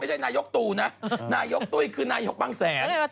นายกตู่นะนายกตุ้ยคือนายกบางแสน